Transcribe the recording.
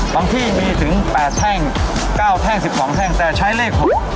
ที่มีถึง๘แท่ง๙แท่ง๑๒แท่งแต่ใช้เลข๖